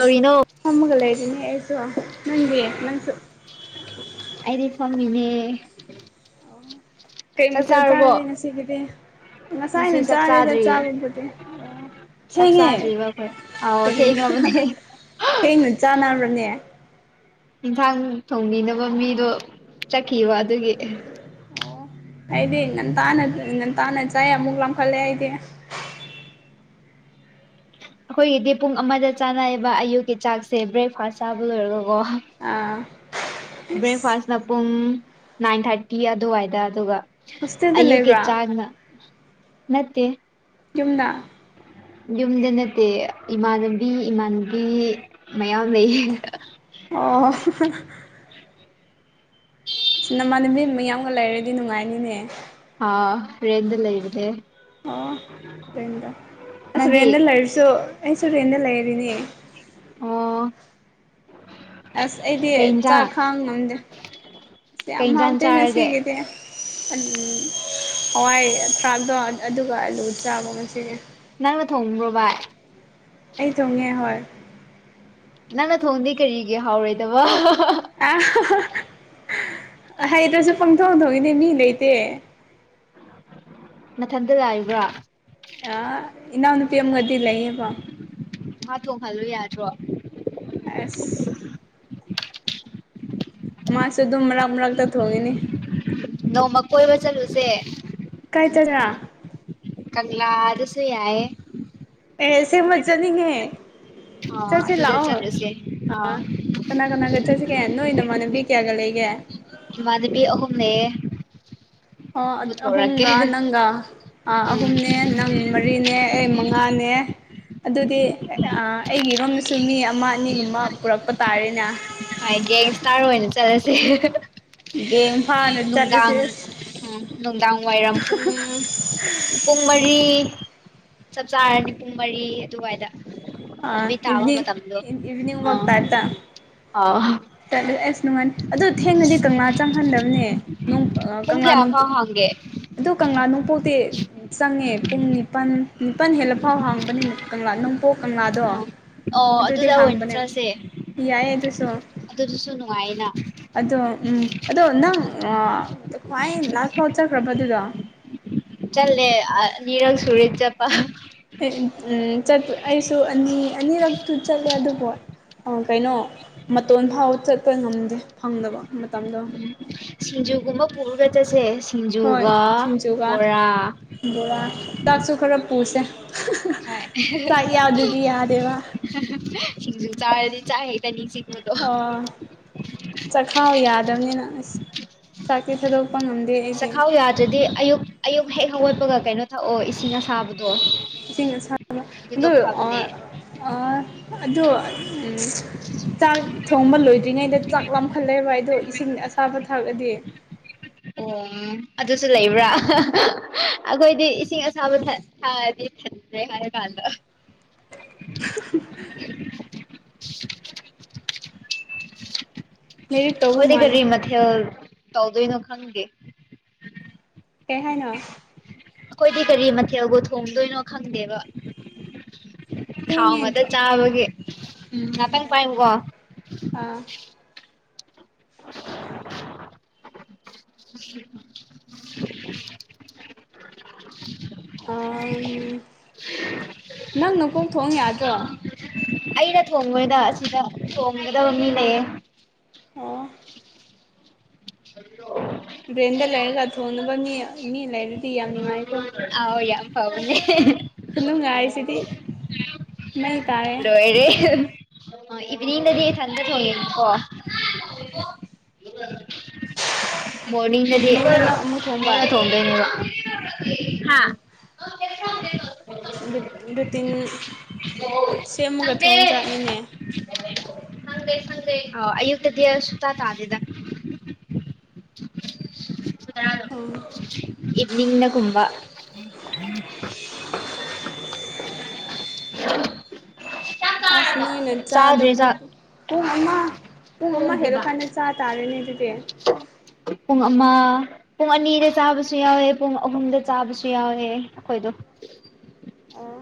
ꯀꯧꯔꯤꯅꯣ ꯍꯣꯒ ꯂꯩ ꯂꯩꯗꯤꯅꯦ ꯑꯩꯖ ꯅꯪꯕꯤ ꯅꯪꯁꯨ ꯑꯩꯗꯤ ꯐꯃꯤꯅꯦ ꯀꯩꯇ ꯆꯥꯔꯗꯤꯦ ꯉꯁꯤꯒꯤꯗꯤ ꯉꯁꯥꯏ ꯑꯅ ꯆꯥꯔꯦꯗ ꯆꯥꯕꯕꯨꯗꯤ ꯑꯣ ꯁꯥꯛ ꯊꯦꯡꯉꯦ ꯁꯥꯥꯆ ꯋꯥꯈꯣꯏ ꯑꯥꯎ ꯊꯒꯅ ꯍꯩꯅ ꯆ ꯅꯔ꯭ꯔꯅꯦ ꯑꯦꯟꯁꯥꯡ ꯊꯣꯡꯕꯤꯅꯕ ꯃꯤꯗꯣ ꯆꯠꯈꯤꯕ ꯑꯗꯨꯒꯤ ꯑꯩꯗꯤꯦ ꯅꯟ ꯇꯅ ꯑꯗꯨ ꯅ ꯇꯥꯅ ꯆꯥ ꯃꯨꯒꯂꯝ ꯀꯂꯦ ꯍꯥꯏꯗꯦ ꯑꯩꯈꯣꯏꯒꯤꯗꯤ ꯄꯨꯡ ꯑꯃꯗ ꯆꯥꯅꯩꯑꯕ ꯑꯌꯨꯛꯀꯤ ꯆꯥꯛꯁꯦ ꯕ꯭ꯔꯦꯛꯐꯥꯁ ꯆꯥꯕ ꯂꯣꯏꯔꯒꯀꯣ ꯑꯥ ꯑꯁ ꯕ꯭ꯔꯦꯛꯐꯥꯁꯅ ꯄꯨꯡ ꯅꯥꯏꯟ ꯊꯥꯔꯇꯤ ꯑꯗꯨꯋꯥꯏꯗ ꯑꯗꯨꯒ ꯍꯣꯁꯇꯦꯜꯗ ꯑꯣ ꯀꯦ ꯂꯩꯕ꯭ꯔꯥ ꯆꯥꯅ ꯅꯠꯇꯦ ꯌꯨꯝꯗ ꯌꯨꯝꯗ ꯅꯠꯇꯦ ꯏꯃꯥꯟꯅꯕꯤ ꯏꯃꯥꯟꯅꯕꯤ ꯃꯌꯥꯝ ꯂꯩꯌꯦ ꯑꯣ ꯁꯤ ꯅꯃꯥꯟꯅꯕꯤ ꯃ ꯌꯥꯝꯒ ꯂꯩꯔꯗꯤ ꯅꯨꯡꯉꯥꯏꯅꯤꯅꯦ ꯍꯥꯥ ꯔꯦꯟꯗ ꯂꯩꯕꯗꯦ ꯑꯣ ꯅꯪꯗꯤ ꯑꯁꯕꯅ ꯂ ꯑꯔꯤꯁꯨꯣ ꯑꯩ ꯁꯨꯔ ꯍꯦꯗ ꯂꯩꯔꯤꯅꯦ ꯑꯣ ꯑꯁ ꯑꯩꯗꯤ ꯀꯩ ꯆꯥꯛ ꯏꯟꯖꯥꯡ ꯈꯥꯡ ꯉꯝꯗꯦ ꯁ ꯀꯩ ꯌꯥꯝ ꯏꯟꯖꯥꯡ ꯆꯥꯔꯒꯦ ꯇꯅꯁꯤꯒꯗꯦ ꯍꯋꯥꯏ ꯊ꯭ꯔꯥꯛꯗꯣ ꯑꯗꯨꯒ ꯑꯂꯨ ꯆꯥꯕ ꯉꯅꯤ ꯅꯪꯅ ꯊꯣꯡꯕ꯭ꯔꯣ ꯚꯏ ꯑꯩ ꯊꯣꯡꯉꯦ ꯍꯣꯏ ꯅꯪꯅ ꯊꯣꯡꯗꯤ ꯀꯔꯤꯒꯤ ꯍꯥꯎꯔꯣꯏꯗꯕ ꯑ ꯍꯥꯏꯩꯗ꯭ꯔꯁꯨ ꯄꯪꯊꯣꯛ ꯊꯣꯛꯣꯡꯏꯅꯦ ꯃꯤ ꯂꯩꯇꯦ ꯃꯊꯟꯗ ꯂꯥꯛꯏꯕ ꯏꯟꯅꯅ ꯄꯤꯝ ꯀꯗꯤꯂꯌꯦ ꯄ ꯍꯥꯠꯇꯣꯡ ꯈꯜꯂꯣ ꯌꯥꯗ꯭ꯔꯣ ꯑꯁ ꯃꯥꯁꯨ ꯑꯗꯨꯝ ꯃꯔꯛ ꯃꯔꯛꯇ ꯊꯣꯡꯉꯤꯅꯤ ꯅꯣꯡꯃ ꯀꯣꯏꯕ ꯆꯠꯂꯨꯁꯦ ꯀꯥꯏ ꯆꯂꯥ ꯀꯪꯂꯪꯂꯪꯂꯥ ꯑꯗꯨꯁꯨ ꯌꯥꯌꯦ ꯑꯦꯁꯦ ꯃꯖꯖꯥꯅꯤꯡꯉ ꯑꯥ ꯆꯠꯁꯤ ꯑꯗꯨꯗ ꯂꯥꯛꯑꯣ ꯆꯠꯂꯨꯁꯦ ꯑꯥ ꯀꯅꯥ ꯀꯅꯥ ꯀ ꯆꯁꯤ ꯀꯌꯥꯟꯅ ꯑꯣꯏ ꯅꯃꯅꯕꯤ ꯀꯌꯥꯒ ꯂꯩ ꯌꯥ ꯏꯃꯥꯗꯕꯤ ꯑꯍꯨꯝꯅꯦ ꯑꯣ ꯑꯍꯨꯝꯒ ꯅꯪꯒ ꯎꯝ ꯑꯍꯨꯝꯅꯦ ꯅꯪ ꯃꯔꯤꯅꯦ ꯑꯩ ꯃꯉꯥꯅꯦ ꯑꯦ ꯑꯗꯨꯗꯤ ꯑꯩꯒꯤꯔꯣꯝꯗꯁꯨ ꯃꯤ ꯑꯃ ꯑꯅꯤꯒꯨꯝꯕ ꯄꯨꯔꯛꯄ ꯇꯥꯔꯦꯅꯦ ꯍꯥꯏꯒꯦ ꯏꯁꯇꯥꯔ ꯑꯣꯏꯅ ꯑꯣꯏꯅ ꯆꯠꯂꯁꯦ ꯒꯦꯡ ꯐꯥꯅ ꯆꯠꯂꯁꯦ ꯅꯨꯡꯗꯥꯡ ꯎꯝ ꯅꯨꯡꯗꯥꯡ ꯋꯥꯏꯔꯝ ꯄꯨꯡ ꯄꯨꯡ ꯃꯔꯤ ꯆꯞ ꯆꯥꯔꯅꯤ ꯄꯨꯡ ꯃꯔꯤ ꯑꯗꯨꯋꯥꯏꯗ ꯑꯃꯤ ꯇꯋꯥꯃ ꯏꯚꯤꯅꯤꯡ ꯇꯗꯣ ꯑ ꯆꯠꯂ ꯑꯁ ꯅꯨꯡꯉꯅꯤ ꯑꯗꯨ ꯊꯦꯡꯅꯗꯤ ꯀꯪꯂꯥ ꯆꯪꯍꯟꯗꯕꯅꯦ ꯄꯨꯡ ꯀꯪꯂꯥ ꯀꯌꯥ ꯐꯥꯎ ꯅꯣꯡꯄꯣꯛ ꯍꯥꯡꯒꯦ ꯑꯗꯨ ꯀꯪꯂꯥꯅꯨꯡ ꯅꯣꯡꯄꯣꯛꯇꯤ ꯆꯪꯉꯦ ꯄꯨꯡ ꯅꯤꯄꯜ ꯅꯤꯄꯜ ꯍꯦꯜꯂ ꯐꯥꯎ ꯍꯥꯡꯕꯅꯤ ꯀꯪꯂꯥ ꯅꯣꯡꯄꯣꯛ ꯀꯪꯂꯥꯗꯣ ꯑꯣ ꯑꯣ ꯑꯗꯨꯗꯤ ꯑꯗꯨꯗ ꯑꯣꯏꯅ ꯍꯥꯡꯕꯅꯦ ꯌꯥꯏ ꯑꯗꯨꯁꯨ ꯑ ꯑꯗꯨ ꯑꯗꯨ ꯁꯅ ꯋꯥꯏꯅ ꯑꯗꯣ ꯎꯝ ꯑꯗꯣ ꯅꯪ ꯈ꯭ꯋꯥꯏ ꯂꯥꯁ ꯐꯥꯎ ꯆꯠꯈ꯭ꯔꯕ ꯑꯗꯨꯗꯣ ꯆꯜꯦ ꯅꯤꯔꯪ ꯁꯨꯔꯦ ꯆꯄ ꯎꯝꯄ ꯑꯩꯁꯨ ꯑꯅꯤ ꯑꯅꯤꯔꯛꯇꯨ ꯆꯠꯂꯦ ꯑꯗꯨꯕꯨ ꯀꯩꯅꯣ ꯃꯇꯣꯟ ꯐꯥꯎꯕ ꯆꯠꯄ ꯉꯝꯗꯦ ꯐꯪꯗꯕ ꯃꯇꯝꯗꯣ ꯎꯝ ꯁꯤꯡꯖꯨꯒꯨꯝꯕ ꯄꯨꯔꯒ ꯆꯠꯁꯦ ꯤꯟ ꯍꯣꯏ ꯌꯨꯒ ꯁꯤꯡꯖꯨꯒ ꯕꯣꯔꯥ ꯎ ꯕꯣꯔꯥ ꯆꯥꯛꯁꯨ ꯈꯔ ꯄꯨꯁꯦ ꯍꯣꯏ ꯆꯥꯛ ꯌꯥꯎꯗ꯭ꯔꯗꯤ ꯁꯤꯡꯖꯨ ꯌꯥꯗꯦꯕ ꯆꯥꯔꯗꯤ ꯆꯥꯛ ꯍꯩꯛꯇꯅꯤꯁꯤꯡ ꯑꯣ ꯆꯥꯛꯈꯥꯎ ꯌꯥꯗꯕꯅꯤꯅ ꯑꯁ ꯆꯥꯛꯇ ꯊꯥꯗꯣꯛ ꯆꯈꯥꯎ ꯌꯥꯗ꯭ꯔꯗꯤ ꯑꯌꯨꯛ ꯑꯌꯨꯛ ꯍꯦꯛ ꯍꯧꯒꯠꯄꯒ ꯀꯩꯅꯣ ꯊꯛꯑꯣ ꯏꯁꯤꯡ ꯑꯁꯥꯕꯗꯣ ꯁꯤ ꯑꯗꯨꯗꯣ ꯑ ꯐꯕꯅꯦ ꯑ ꯑꯗꯣ ꯆꯥꯛ ꯊꯣꯡꯕ ꯂꯣꯏꯗ꯭ꯔꯤꯉꯩꯗ ꯆꯥꯛ ꯂꯥꯝꯈꯠꯂꯦꯕ ꯑꯗꯣ ꯁꯤꯡ ꯑꯁꯥꯕ ꯊꯥꯛꯑꯗꯤ ꯑꯣ ꯑꯗꯨꯁꯨ ꯂꯩꯕ꯭ꯔꯥ ꯑꯩꯈꯣꯏꯗꯤ ꯏꯁꯤꯡ ꯑꯁꯥꯕ ꯊꯥꯔꯗꯤ ꯦ ꯍꯔꯦ ꯐꯥꯟꯗ ꯎ [inaudible] [inaudible] ꯂꯥꯏꯔꯤꯛ ꯇꯧꯕ ꯑꯩꯈꯣꯏꯗꯤ ꯃꯥꯜꯂꯤ ꯀꯔꯤ ꯃꯊꯦꯜ ꯇꯧꯗꯣꯏꯅꯣ ꯈꯪꯗꯦ ꯍꯦ ꯍꯥꯏꯥꯏꯅ ꯑꯩꯈꯣꯏꯗꯤ ꯀꯔꯤ ꯃꯊꯦꯜꯕꯨ ꯊꯣꯡꯗꯣꯏꯅꯣ ꯈꯪꯗꯦꯕ ꯊꯥꯎ ꯑꯃꯗ ꯊꯦꯡꯉꯦ ꯆꯥꯕꯒꯤ ꯎꯝ ꯉꯥꯛꯇꯪ ꯄꯥꯏꯨꯀꯣ ꯑꯥ [inaudible] [inaudible] [inaudible] [inaudible] ꯑ ꯅꯪꯅ ꯀꯣꯛ ꯊꯣꯡ ꯌꯥꯗ꯭ꯔꯣ ꯑꯩꯅ ꯊꯣꯡꯕꯗ ꯑꯁꯤꯗ ꯊꯣꯡꯒꯗꯕ ꯃꯤ ꯂꯩꯌꯦ ꯑꯣ [inaudible] ꯭ꯔꯦꯟꯗ ꯂꯩꯔꯒ ꯊꯣꯡꯅꯕ ꯃꯤ ꯃꯤ ꯂꯩꯔꯗꯤ ꯌꯥꯝ ꯅꯨꯡꯉꯥꯏ ꯑꯥꯎ ꯌꯥꯝ ꯐꯥꯥꯎꯅꯦ ꯈꯨꯅꯨꯡꯉꯥꯏꯁꯤꯗꯤ ꯃꯩ ꯇꯥꯔꯦ ꯂꯣꯏꯔꯦ ꯑ ꯏꯕꯅꯤꯗꯗꯤ ꯆꯗ ꯊꯣꯉ ꯀꯣ [inaudible] ꯃꯣꯔꯅꯤꯡꯗꯗꯤ ꯏꯚꯤꯅꯤꯡꯗ ꯅꯪ ꯑꯃꯨꯛ ꯊꯣꯡꯕ ꯃꯣꯏꯅ ꯊꯣꯡꯗꯣꯏꯅꯤꯕ [unintelligible] ꯍꯥꯥ [unintelligible] ꯔꯨꯇꯤꯟ ꯁꯦꯝꯃꯒ ꯆꯪꯗꯦ ꯊꯣꯡꯖꯥꯠꯅꯤꯅꯦ ꯑꯌꯛꯇꯗꯤ ꯁ ꯇꯥ ꯇꯗꯗ ꯎꯝ ꯏꯚꯅꯤꯡꯅ ꯀꯨꯝꯕ ꯆꯥꯛ ꯑꯁ ꯆꯥꯔꯕꯣ ꯅꯣꯏꯅ ꯆꯥꯗ꯭ꯔꯤ ꯆꯥꯗꯕꯅꯤ ꯆꯥꯛ ꯑꯣ ꯃꯃꯥ ꯄꯨꯡ ꯑꯃ ꯍꯦꯔꯣ ꯊꯣꯡꯗ꯭ꯔꯤꯕ ꯈꯥꯟꯅꯦ ꯆ ꯇ ꯑꯂꯅꯦ ꯇꯦ ꯄꯨꯡ ꯑꯃ ꯄꯨꯡ ꯑꯅꯤꯗ ꯆꯥꯕꯁꯨ ꯌꯥꯎꯋꯦ ꯄꯨꯡ ꯑꯍꯨꯝꯗ ꯆꯥꯕꯁꯨ ꯌꯥꯎꯑꯦ ꯑꯩꯈꯣꯏꯗꯣ ꯑꯣ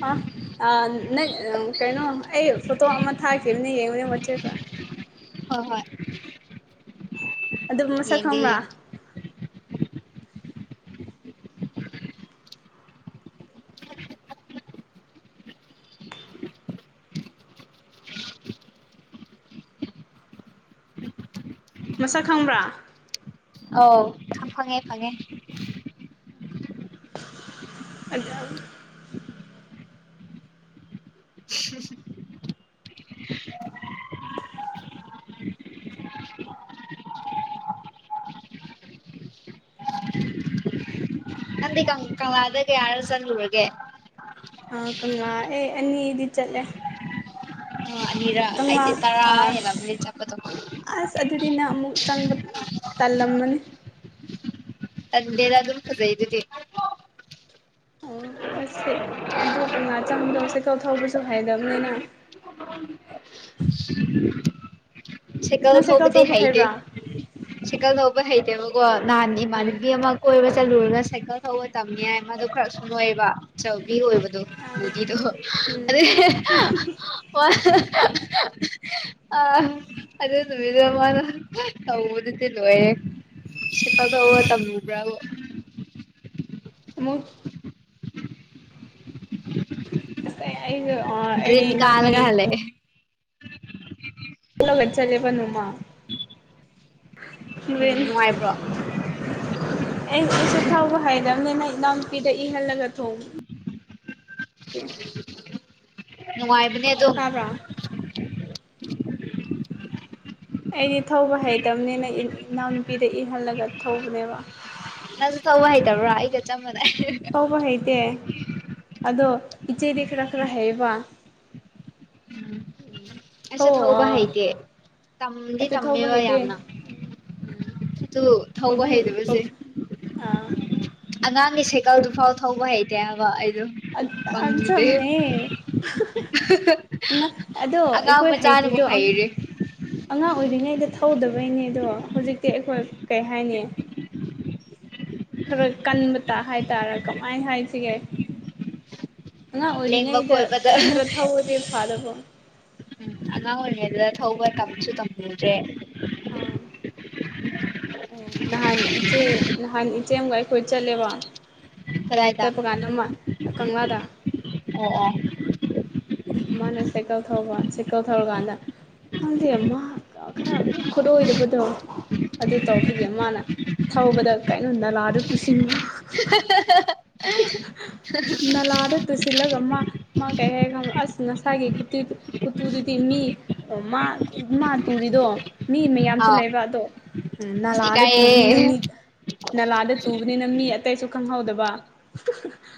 ꯑ ꯑ ꯅꯪ ꯀꯩꯅꯣ ꯑꯩ ꯐꯣꯇꯣ ꯑꯃ ꯊꯥꯈꯤꯕꯅꯦ ꯌꯦꯡꯉꯅꯦꯆꯦꯗ ꯍꯣꯏ ꯍꯣꯏ ꯑꯗꯨꯕꯨ ꯃꯁꯛ ꯌꯦꯡꯒꯦ ꯈꯪꯕ꯭ꯔꯥ ꯌꯦꯡꯒꯦ ꯑ ꯃꯁꯛ ꯈꯪꯕ꯭ꯔꯥ ꯑꯥꯎ ꯐꯪꯉꯦ ꯐꯪꯉꯦ ꯑꯖ [inaudible] ꯅꯗꯤ ꯀꯪ ꯀꯗꯒ ꯌꯥꯔ ꯆꯟ ꯎꯔꯒꯦ ꯑ ꯀꯃꯂꯥ ꯑꯦ ꯑꯅꯤ ꯏꯗꯤ ꯆꯠꯂꯦ ꯑ ꯑꯅꯤꯔꯛ ꯇꯪ ꯑꯩꯗꯤ ꯇꯔꯥ ꯑꯥ ꯍꯦꯜꯂꯝꯃꯅꯤ ꯆꯠꯄꯗꯣ ꯑꯁ ꯑꯗꯨꯗꯤ ꯅ ꯑꯃꯨꯛ ꯆꯪꯕ ꯇꯂꯃꯅꯤ ꯇꯟꯗꯦꯗ ꯑꯗꯨꯝ ꯐꯖꯩꯗꯗꯤ ꯑꯣ ꯑꯁ ꯑꯗꯨ ꯀꯝꯂꯥ ꯆꯪꯕꯗꯣꯁꯦ ꯀꯧꯊꯧꯕꯁꯨ ꯍꯥꯏꯗꯕꯅꯤꯅ ꯁꯤ ꯁꯥꯏꯀꯜ ꯅꯪ ꯊꯧꯕꯗꯤ ꯊꯧꯕ ꯍꯩꯇꯦ ꯍꯩꯕ꯭ꯔꯥ ꯁꯥꯏꯀꯜ ꯊꯧꯕ ꯍꯩꯇꯦꯕꯀꯣ ꯅꯤ ꯑꯥ ꯃꯥꯅꯕꯤ ꯑꯃ ꯀꯣꯏ ꯆꯠꯂꯨꯔꯒ ꯁꯥꯏꯀꯜ ꯊꯧꯕ ꯇꯝꯃꯤ ꯍꯥꯏꯏ ꯃꯗꯨ ꯈꯔ ꯁ ꯅꯣꯏꯕ ꯑꯆꯕꯤ ꯑꯣꯏꯕꯗꯣ ꯑꯥ ꯄꯨꯗꯤꯗꯨ ꯎꯝ ꯑꯗꯦ ꯋꯥ ꯑ ꯑꯗꯨꯗ ꯅꯨꯗ ꯃꯥꯅ ꯊꯗꯤꯗꯤ ꯂꯑ ꯄꯒ ꯍ ꯇꯝꯕ꯭ꯔ ꯃꯨꯛ ꯑꯁ ꯑꯩꯒ ꯑꯩꯅꯦ ꯗ꯭ꯔꯤꯟ ꯏꯅꯥꯎꯄꯤꯅꯦ ꯀꯗꯒꯂꯦ ꯂ ꯂꯆꯥꯔꯦꯕꯅꯨꯃ ꯎꯝ ꯅꯨꯡꯉꯥꯏꯕ꯭ꯔꯣ ꯑꯩ ꯑꯩꯁꯨ ꯊꯥꯎꯧꯕ ꯍꯥꯏꯕꯅꯤ ꯅꯪ ꯏꯅꯥꯎꯨꯄꯤꯗ ꯏꯍꯜꯂꯒ ꯊꯣꯡꯉ ꯎ ꯅꯨꯡꯉꯥꯏꯕꯅꯦ ꯑꯗꯨꯝ ꯑꯩꯗꯤ ꯊꯧꯕ ꯍꯩꯇꯕꯅꯤꯅ ꯏꯅꯥꯎꯅꯨꯄꯤꯗ ꯏꯍꯜꯂꯒ ꯊꯧꯕꯅꯦꯕ ꯅꯁꯨ ꯇꯧꯕ ꯍꯩꯇꯕ꯭ꯔꯥ ꯑꯩꯒ ꯆꯞ ꯃꯥꯟ ꯊꯧꯕ ꯍꯩꯇꯦ ꯑꯗꯣ ꯏꯆꯦ ꯔꯦꯈ ꯔꯥ ꯈꯔ ꯍꯥꯏꯌꯦꯕ ꯑꯁ ꯊꯧꯕ ꯍꯩꯇꯦ ꯇꯝꯗꯤ ꯊꯧꯕ ꯇꯝꯃꯦꯕ ꯍꯩꯇꯦ ꯌꯥꯝꯅ ꯑꯗꯨ ꯊꯧꯕ ꯄꯥꯕꯨꯡ ꯍꯩꯗꯕꯁꯦ ꯑꯥ ꯑꯉꯥꯡꯒꯤ ꯁꯥꯏꯀꯜꯗꯨ ꯐꯥꯎ ꯊꯧꯕ ꯍꯩꯇꯦ ꯍꯥꯏꯕ ꯑꯩꯗꯣ ꯆꯞ ꯐꯪꯗꯗꯦ ꯃꯥꯟꯅꯩꯌꯦ ꯑꯗꯣ ꯑꯉꯥꯡ ꯑꯩꯈꯣꯏ ꯍꯩꯇ꯭ꯔꯤꯗꯣ ꯃꯆꯥꯅꯕꯨꯛ ꯍꯩꯔꯦ ꯑꯉꯥꯡ ꯑꯣꯏꯔꯤꯉꯩꯗ ꯊꯧꯗꯕꯩꯅꯦ ꯑꯗꯣ ꯍꯧꯖꯤꯛꯇꯤ ꯑꯩꯈꯣꯏ ꯀꯩ ꯍꯥꯏꯅꯤ ꯈꯔ ꯀꯟꯕ ꯇꯥ ꯍꯥꯏꯇꯥꯔꯦ ꯀꯃꯥꯏꯅ ꯍꯥꯏꯁꯤꯒꯦ ꯑꯉꯥꯡ ꯂꯦꯡꯕ ꯑꯣꯏꯔꯤꯉꯩꯗ ꯈꯣꯠꯄꯗ ꯈꯔ ꯎꯝ ꯈꯔ ꯊꯧꯔꯗꯤ ꯐꯥꯗꯕ ꯑꯉꯥꯡ ꯑꯣꯏꯔꯤꯉꯩꯗ ꯊꯧꯕ ꯀꯞꯁꯨ ꯇꯝꯂꯨꯗ꯭ꯔꯦ ꯑꯥ ꯑꯦ ꯅꯍꯥꯟ ꯏꯆꯦ ꯅꯍꯥꯟ ꯏꯆꯦ ꯑꯃꯒ ꯑꯩꯈꯣꯏ ꯆꯠꯂꯦꯕ ꯇ ꯀꯗꯥꯏꯗ ꯄꯀꯥꯟꯅ ꯈꯪꯉꯥ ꯇ ꯑꯣ ꯑꯣ ꯃꯥꯅ ꯁꯥꯏꯀꯜ ꯊ ꯁꯥꯏꯀꯜ ꯊꯧꯔꯀꯥꯟꯗ ꯈꯪꯗꯦ ꯃꯥ ꯈꯔ ꯈꯨꯗ ꯑꯣꯏꯗꯕꯗꯣ ꯑꯗꯨ ꯇꯧꯕꯒꯤ ꯃꯥꯅ ꯊꯧꯕꯗ ꯀꯩꯅꯣ ꯅꯂꯥꯗꯨ ꯇꯨꯁꯤꯟꯒ [unintelligible] ꯆꯜꯂꯒꯃ ꯃꯥ ꯀꯩ ꯍꯥꯏꯒ ꯑꯁ ꯅꯁꯥꯒꯤꯇ ꯈꯨꯇꯨꯗꯨꯗꯤ ꯃꯤ ꯃꯥ ꯃꯥ ꯇꯨꯔꯤꯗꯣ ꯃꯤ ꯃꯌꯥꯝꯁꯨ ꯑꯥꯎ ꯂꯩꯕ ꯑꯗꯣ ꯎ ꯑꯁ ꯅꯥꯂꯥꯗ ꯇꯨꯕꯅꯤꯅ ꯏꯀꯥꯏꯌꯦ ꯃꯤ ꯅꯂꯥꯗ ꯇꯨꯕꯅꯤꯅ ꯃꯤ ꯑꯇꯩꯁꯨ ꯈꯪꯍꯧꯗꯕ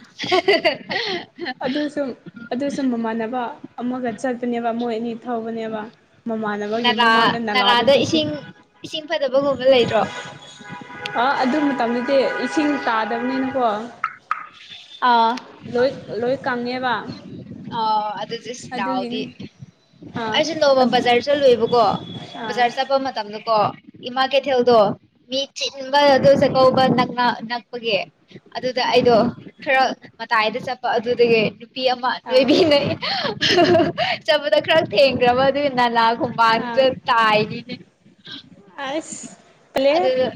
[inaudible] ꯁꯥꯟꯅꯕ ꯑꯃꯒ ꯆꯠꯄꯅꯦꯕ ꯃꯣꯏ ꯑꯅꯤ ꯊꯧꯕꯅꯦꯕ ꯃꯃꯥꯟꯅꯕꯒꯤ ꯅꯂꯥ ꯃꯃꯥꯅ ꯅꯂꯥꯗ ꯇꯨꯁꯦ ꯏꯁꯤꯡ ꯏꯁꯤꯡ ꯐꯠꯇꯕꯒꯨꯝꯕ ꯂꯩꯇ꯭ꯔꯣ ꯑ ꯑꯗꯨ ꯃꯇꯝꯗꯗꯤ ꯏꯁꯤꯡ ꯇꯥꯗꯕꯅꯤꯅꯀꯣ ꯑꯥ ꯂꯣꯏ ꯂꯣꯏ ꯀꯪꯉꯦꯕ ꯑ ꯑꯗꯨꯗ ꯁ ꯑꯗꯨꯒꯤꯅꯤ ꯌꯥꯎꯗꯤ ꯑꯥ ꯑꯩꯁꯦ ꯅꯣꯡꯃ ꯑꯗꯨ ꯕꯖꯥꯔ ꯆꯠꯂꯨꯦꯕꯀꯣ ꯑꯥ ꯕꯖꯥꯔ ꯆꯠꯄ ꯃꯇꯝꯗ ꯀꯣ ꯏꯃꯥ ꯀꯩꯊꯦꯜꯗꯣ ꯃꯤ ꯆꯤꯟꯕ ꯑꯗꯨ ꯆꯥꯛꯀꯧꯕ ꯅꯛꯄꯒꯤ ꯑꯗꯨꯗ ꯑꯩꯗꯣ ꯈꯔ ꯃꯇꯥꯏꯗ ꯆꯠꯄ ꯑꯗꯨꯗꯒꯤ ꯅꯨꯄꯤ ꯑꯃ ꯂꯣꯏꯕꯤꯅꯩ ꯆꯠꯄꯗ ꯈꯔ ꯊꯦꯡꯈ꯭ꯔꯕ ꯑꯗꯨꯒꯤ ꯅꯥꯂꯥ ꯈꯣꯡꯕꯥꯟꯗ ꯇꯥꯏꯅꯤꯅꯦ ꯑꯁ ꯑꯗꯨꯗ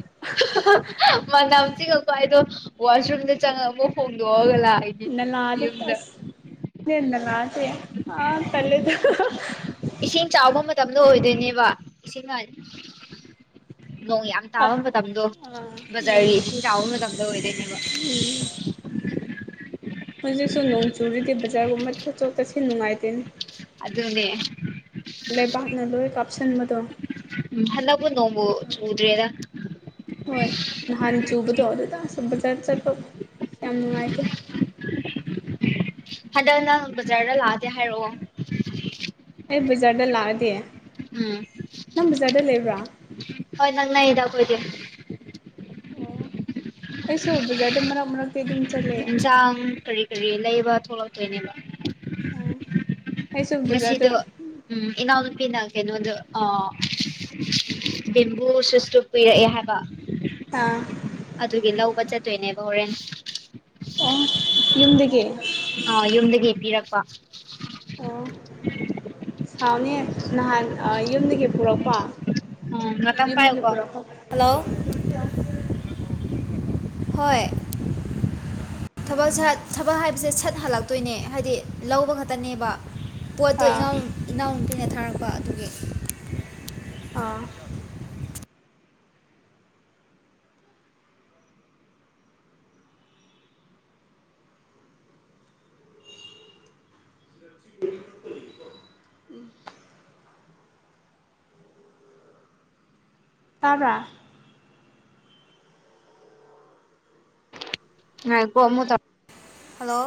ꯝꯅꯥꯝ ꯀ ꯑꯩꯗꯣ ꯋꯥꯁꯔꯨꯝꯗ ꯆꯪꯉꯥꯒ ꯑꯃꯨꯛ ꯍꯣꯡꯗꯣꯛꯑꯥꯒ ꯅꯂꯥꯗ ꯇꯁ ꯅꯥꯂꯥꯁꯦ ꯑꯥ ꯇꯥꯜꯂꯦꯗ ꯇꯞꯅ ꯑꯣꯏꯗꯣꯏꯅꯦꯕ ꯏꯁꯤꯡ ꯅ ꯅꯣꯡ ꯌꯥꯝ ꯇꯥꯕ ꯃꯇꯝꯗꯣ ꯕꯖꯥꯔꯒꯤ ꯏꯁꯤꯡ ꯆꯥꯎꯕ ꯃꯇꯝꯗ ꯑꯣꯏꯗꯣꯏꯅꯦꯕ [inaudible] ꯍꯧꯖꯤꯛꯁꯨ ꯅꯣꯡ ꯆꯨꯔꯤꯗꯤ ꯕꯖꯥꯔꯒꯨꯝꯕ ꯆꯠꯊꯣꯛ ꯆꯠꯁꯤꯟ ꯅꯨꯡꯉꯥꯏꯇꯦꯅꯦ ꯑꯗꯨꯅꯦ ꯂꯩꯕꯥꯛꯅ ꯂꯣꯏ ꯀꯥꯞꯁꯤꯟꯕꯗꯣ ꯎꯝ ꯍꯟꯗꯛꯄꯨ ꯅꯣꯡꯕꯨ ꯆꯨꯗ꯭ꯔꯦꯗ ꯍꯣꯏ ꯅꯍꯥꯟ ꯆꯨꯕꯗꯣ ꯑꯗꯨꯗ ꯑꯥꯁ ꯕꯖꯥꯔ ꯆꯠꯄ ꯌꯥꯝ ꯅꯨꯡꯉꯥꯏꯇꯦ ꯍꯟꯗꯛ ꯅꯪ ꯕꯖꯥꯔꯗ ꯂꯥꯛꯑꯗꯤ ꯍꯥꯏꯔꯛꯑꯣ ꯕꯖꯥꯗ ꯂꯥꯛꯑꯗꯤ ꯎꯝ ꯅꯪ ꯕꯖꯥꯔꯗ ꯂꯩꯕ꯭ꯔꯥ ꯍꯣꯏ ꯅꯪꯅꯛꯏꯗ ꯑꯩꯈꯣꯏꯗꯤ ꯑꯣ ꯑꯩꯁꯨ ꯕꯖꯥꯔꯗ ꯃꯔꯛ ꯃꯔꯛꯇ ꯑꯗꯨꯝ ꯆꯠꯂꯦ ꯏꯟꯁꯥꯡ ꯀꯔꯤ ꯀꯔꯤ ꯂꯩꯕ ꯊꯣꯛꯂꯛꯇꯣꯏꯅꯦꯕ ꯎꯝ ꯉꯥꯁꯤꯗꯨ ꯎꯝ ꯏꯅꯥꯎ ꯅꯨꯄꯤꯅ ꯀꯩꯅꯣꯗꯣ ꯑ ꯕꯦꯝꯕꯨ ꯁꯨꯁꯇꯨ ꯄꯤꯔꯛꯑꯦ ꯍꯥꯏꯕ ꯑꯥ ꯑꯗꯨꯒꯤ ꯂꯧꯕ ꯆꯠꯇꯣꯏꯅꯦꯕ ꯍꯣꯔꯦꯟ ꯑꯣ ꯌꯨꯝꯗꯒꯤ ꯑ ꯌꯨꯝꯗꯒꯤ ꯄꯤꯔꯛꯄ ꯊꯥꯎꯅꯦ ꯅꯍꯥꯟ ꯌꯨꯝꯗꯒꯤ ꯄꯨꯔꯛꯄ ꯎꯝ ꯉꯥꯛꯇꯪ ꯌꯨꯝꯗꯒꯤ ꯄꯥꯏꯌꯨꯀꯣ ꯄꯨ꯭ꯔꯣꯛꯄ ꯍꯜꯂꯣ ꯍꯣꯏ ꯊꯕꯛ ꯁꯠ ꯊꯕꯛ ꯍꯥꯏꯕꯁꯦ ꯁꯠ ꯍꯜꯂꯛꯇꯣꯏꯅꯦ ꯍꯥꯏꯗꯤ ꯂꯧꯕ ꯈꯛꯇꯅꯦꯕ ꯄꯣꯠꯇꯣ ꯑꯥ ꯏꯅꯥꯎ ꯏꯅꯥꯎꯅꯨꯄꯤꯅ ꯊꯥꯔꯛꯄ ꯑꯗꯨꯒꯤ ꯑꯥ ꯎꯝ ꯇꯕꯔꯥ ꯉꯥꯏꯈꯣ ꯀꯣ ꯑꯃꯨꯛ ꯇꯧꯔꯛ꯫ ꯍꯜꯂꯣ